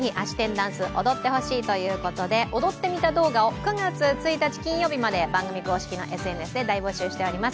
ダンス踊ってほしいということで踊ってみた動画を９月１日金曜日まで番組公式のＳＮＳで大募集しております。